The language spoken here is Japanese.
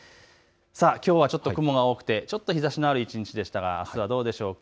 きょうはちょっと雲が多くて、ちょっと日ざしのある一日でしたがあすはどうでしょうか。